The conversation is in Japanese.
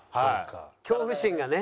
恐怖心がね。